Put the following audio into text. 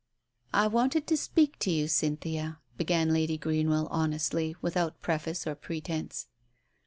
"I wanted to speak to you, Cynthia," began Lady Greenwell honestly, without preface or pretence.